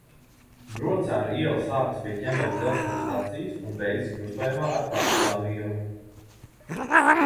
Brocēnu iela sākas pie Ķemeru dzelzceļa stacijas un beidzas krustojumā ar Partizānu ielu.